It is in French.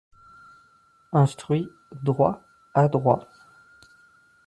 Instruit, droit, adroit